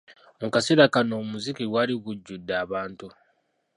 Mu kaseera kano n'omuziki gwali gujjudde abantu.